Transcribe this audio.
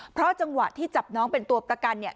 เพราะจังหวะที่จับน้องเป็นตัวประกันเนี่ย